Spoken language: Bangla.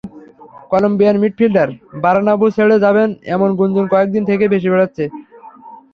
কলম্বিয়ান মিডফিল্ডার বার্নাব্যু ছেড়ে যাবেন, এমন গুঞ্জন কয়েক দিন থেকেই ভেসে বেড়াচ্ছে।